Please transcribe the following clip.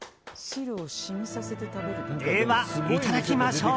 では、いただきましょう。